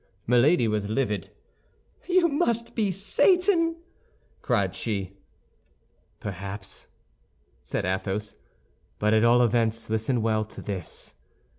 Milady was livid. "You must be Satan!" cried she. "Perhaps," said Athos; "But at all events listen well to this.